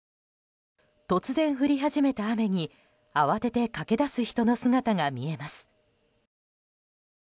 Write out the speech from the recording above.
突然降り始めた雨に、慌てて駆け出す人の姿が見えます。